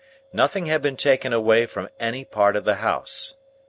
Nothing had been taken away from any part of the house.